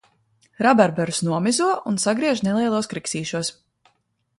Rabarberus nomizo un sagriež nelielos kriksīšos.